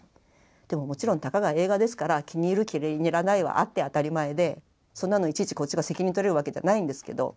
もちろんたかが映画ですから気に入る気に入らないはあって当たり前でそんなのいちいちこっちが責任とれるわけじゃないんですけど。